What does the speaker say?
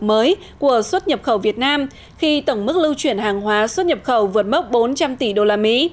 mới của xuất nhập khẩu việt nam khi tổng mức lưu chuyển hàng hóa xuất nhập khẩu vượt mốc bốn trăm linh tỷ usd